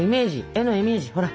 絵のイメージほら！